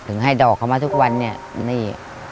ถึงให้ดอกเขามาทุกวันนี่